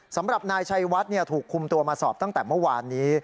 สำหรับนายชัยวัดถูกคุมตัวมาสอบตั้งแต่เมื่อวานนี้